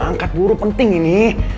angkat buru penting ini